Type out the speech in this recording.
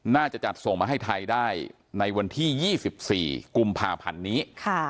จัดส่งมาให้ไทยได้ในวันที่๒๔กุมภาพันธ์นี้